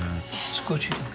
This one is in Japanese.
少しだけ。